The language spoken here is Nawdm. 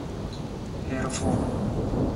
Hiir fowung.